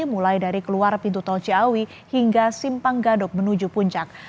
mulai dari keluar pintu tol ciawi hingga simpang gadok menuju puncak